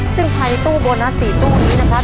ซึ่งภายในตู้โบนัส๔ตู้นี้นะครับ